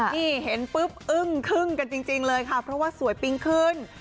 นี่เห็นปุ๊บอึ้งคึ้งกันจริงเลยค่ะเพราะว่าสวยปิ้งขึ้น